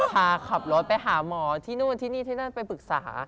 พาขับรถไปหาหมอที่นู่นที่นี่ที่นั่นไปปรึกษา